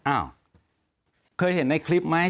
อ้าวเคยเห็นในคลิปไหม